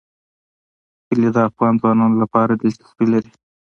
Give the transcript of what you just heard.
کلي د افغان ځوانانو لپاره دلچسپي لري.